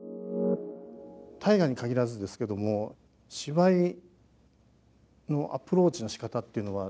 大河に限らずですけども芝居のアプローチのしかたっていうのは